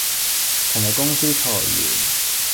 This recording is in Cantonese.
尋日公司裁員